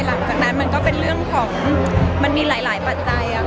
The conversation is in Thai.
หลังจากนั้นมันก็เป็นเรื่องของมันมีหลายปัจจัย